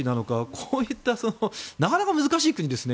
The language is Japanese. こういったなかなか難しい国ですね